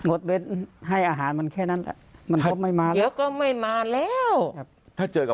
โอเคเวชให้อาหารมันแค่นั้นไม่มาแล้ว